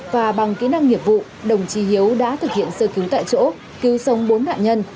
và bằng kỹ năng nghiệp vụ đồng chí hiếu đã thực hiện sơ cứu tại chỗ cứu sống bốn nạn nhân